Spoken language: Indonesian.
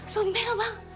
sumpah gak bang